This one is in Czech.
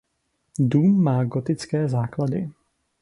Dům má gotické základy.